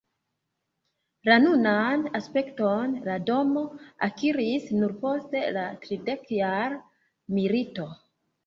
La nunan aspekton la domo akiris nur post la Tridekjara milito.